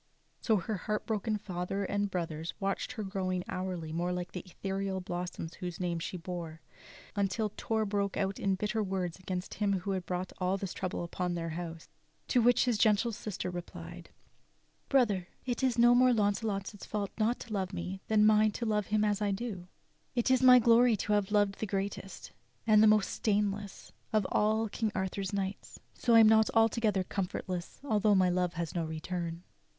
So her heartbroken father and brothers watched her growing hourly more like the ethereal blossom whose name she bore, until Torre broke out into bitter words against him who had brought all this trouble upon their house. To which the gentle sister replied: "Brother, it is no more Launcelot's fault not to love me than it is mine to love him as I do. And it is my glory to have loved the greatest, the most stainless, of all King Arthur's knights; so I am not altogether comfortless although my love has no return."